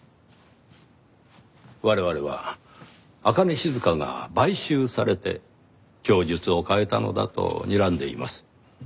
我々は朱音静が買収されて供述を変えたのだとにらんでいます。